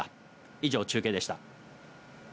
以上、中継でした。